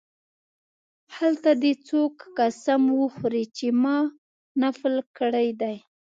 هلته دې څوک قسم وخوري چې ما نفل کړی دی.